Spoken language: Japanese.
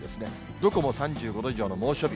どこも３５度以上の猛暑日。